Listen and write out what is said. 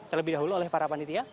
terlebih dahulu oleh para panitia